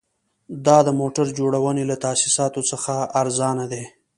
دا د موټر جوړونې له تاسیساتو څخه ارزانه دي